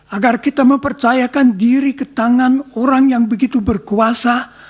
agar kita mempercayakan diri ke tangan orang yang begitu berkuasa